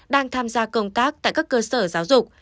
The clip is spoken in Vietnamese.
đang tham gia công tác tại các cơ sở giáo dục